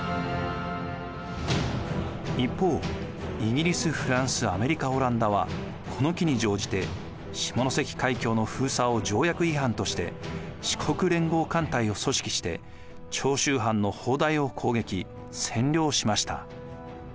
一方イギリス・フランスアメリカ・オランダはこの機に乗じて下関海峡の封鎖を条約違反として四国連合艦隊を組織して長州藩の砲台を攻撃占領しました。